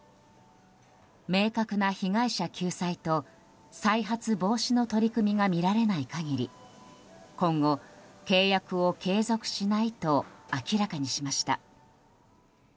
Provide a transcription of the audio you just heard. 明確な被害者救済と、再発防止の取り組みが見られない限り今後、契約を継続しないと明らかにしました。